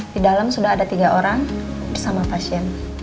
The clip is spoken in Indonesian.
di dalam sudah ada tiga orang bersama pasien